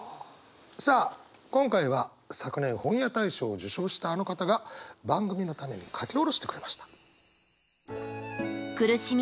さあ今回は昨年本屋大賞を受賞したあの方が番組のために書き下ろしてくれました。